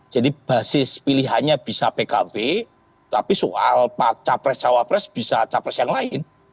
jadi basis pilihannya bisa pkb tapi soal pak cawapres bisa cawapres yang lain